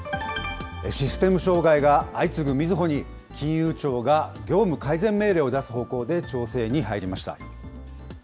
システム障害が相次ぐみずほに、金融庁が業務改善命令を出す方向で調整に入りました。